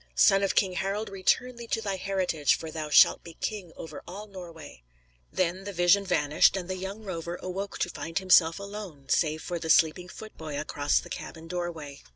Son of King Harald, return thee to thy heritage; for thou shalt be king over all Norway." Then the vision vanished and the young rover awoke to find himself alone, save for the sleeping foot boy across the cabin door way.